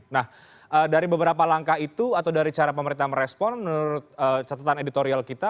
nah dari beberapa langkah itu atau dari cara pemerintah merespon menurut catatan editorial kita